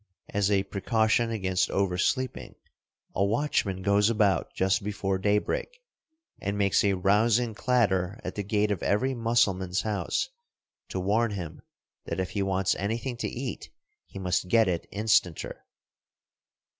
As a precaution against oversleeping, a watchman goes about just before daybreak, and makes a rousing clatter at the gate of every Mussulman' s house to warn him that if he wants anything to eat he must get it instanter.